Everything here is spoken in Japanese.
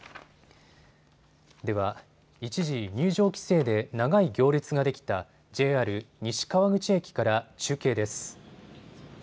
では一時入場規制で長い行列ができたＪＲ西川口駅から中継です。